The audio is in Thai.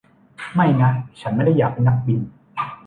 ไม่นะฉันไม่ได้อยากเป็นนักบิน